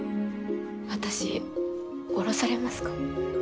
私降ろされますか？